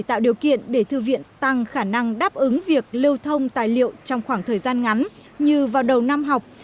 tạo điều kiện để thư viện tăng khả năng đáp ứng việc lưu thông tài liệu trong khoảng thời gian ngắn như vào đầu năm học